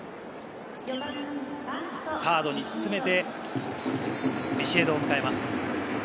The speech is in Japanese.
サードに進めてビシエドを迎えます。